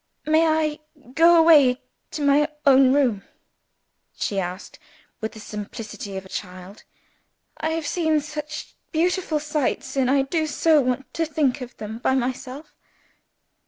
"May I go away to my own room?" she asked, with the simplicity of a child. "I have seen such beautiful sights and I do so want to think of them by myself."